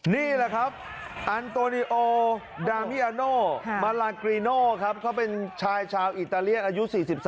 นี่แหละครับอันโตนิโอดามิอาโนมาลากรีโน่ครับเขาเป็นชายชาวอิตาเลียนอายุ๔๒